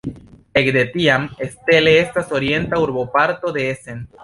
Ekde tiam Steele estas orienta urboparto de Essen.